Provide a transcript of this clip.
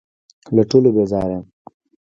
له ټولو بېزاره یم .